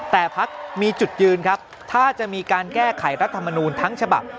แต่พักมีจุดยืนครับถ้าจะมีการแก้ไขรัฐมนูลทั้งฉบับ